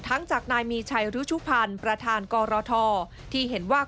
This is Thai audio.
จากนายมีชัยรุชุพันธ์ประธานกรทที่เห็นว่า